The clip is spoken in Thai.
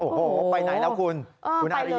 โอ้โหไปไหนนะคุณคุณอาริยาคุณผู้ชมไหนแล้วคุณครับ